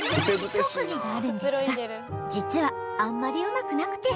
特技があるんですが実はあんまりうまくなくて